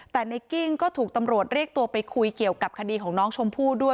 แต่ในกิ้งก็ถูกตำรวจเรียกตัวไปคุยเกี่ยวกับคดีของน้องชมพู่ด้วย